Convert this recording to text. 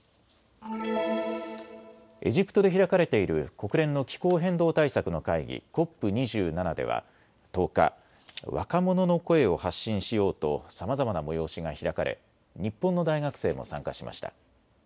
エジプトで開かれている国連の気候変動対策の会議、ＣＯＰ２７では１０日、若者の声を発信しようとさまざまな催しが開かれ日本の大学生も参加しました。